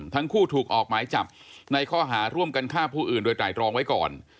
ทั้งคู่ถูกออกหมายจับในข้อหาร่วมกันฆ่าผู้อื่นโดยไตรรองไว้ก่อน